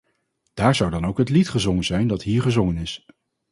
Daar zou dan ook het lied gezongen zijn dat hier gezongen is.